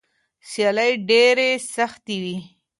سیالۍ ډېرې سختې وي.